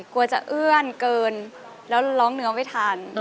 กลัวจะเอื้อนเกินแล้วร้องเนื้อไม่ทัน